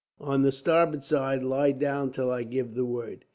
On the starboard side, lie down till I give the word."